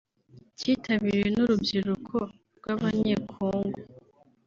cyitabiriwe n’urubyiruko rw’abanyekongo